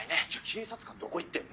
警察官どこ行ってん？